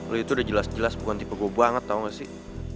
lo itu udah jelas jelas bukan tipe gue banget tau gak sih